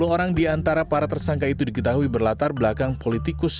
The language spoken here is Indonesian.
tiga puluh orang diantara para tersangka itu diketahui berlatar belakang politikus